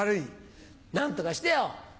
何とかしてよ！